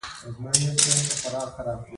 لیمو د لغمان نښه ده.